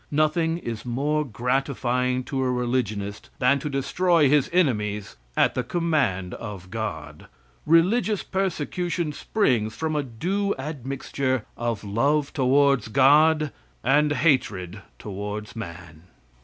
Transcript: Nothing is more gratifying to a religionist than to destroy his enemies at the command of God. Religious persecution springs from a due admixture of love towards God and hatred towards man.